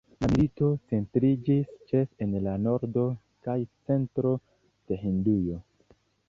La milito centriĝis ĉefe en la nordo kaj centro de Hindujo.